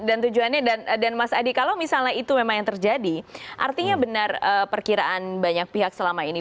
dan tujuannya dan mas adi kalau misalnya itu memang yang terjadi artinya benar perkiraan banyak pihak selama ini